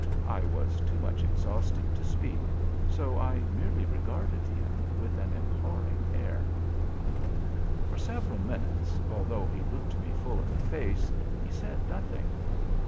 I was too much exhausted to speak, so I merely regarded him with an imploring air. For several minutes, although he looked me full in the face, he said nothing.